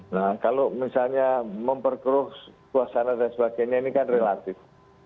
nah kalau misalnya memperkeruh suasana dan sebagainya ini kan relatif